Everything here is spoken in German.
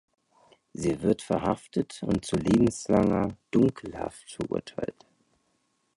Sie wird verhaftet und zu lebenslanger Dunkelhaft verurteilt.